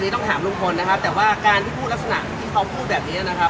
ต้องถามลุงพลนะครับแต่ว่าการที่พูดลักษณะที่เขาพูดแบบนี้นะครับ